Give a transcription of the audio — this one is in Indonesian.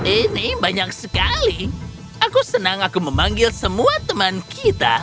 ini banyak sekali aku senang aku memanggil semua teman kita